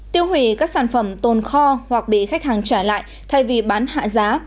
tiêu hủy các sản phẩm tồn kho hoặc bị khách hàng trả lại thay vì bán hạ giá